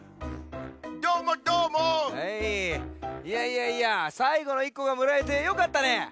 いやいやいやさいごの１こがもらえてよかったね！